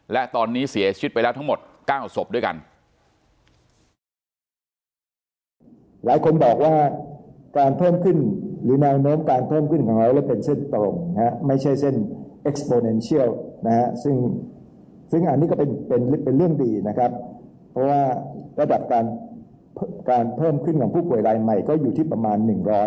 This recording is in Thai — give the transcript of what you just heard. และตอนนี้เสียชีวิตไปแล้วทั้งหมด๙ศพด้วยกัน